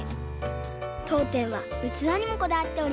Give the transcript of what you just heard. とうてんはうつわにもこだわっております。